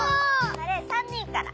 これ３人から。